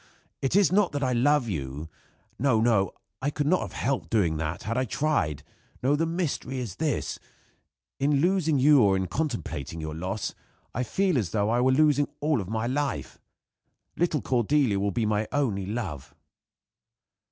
It is not that I love you. No, no. I could not have helped doing that had I tried. No; the mystery is this. In losing you or in contemplating your loss, I feel as though I were losing my all of life. Little Cordelia will be my only love."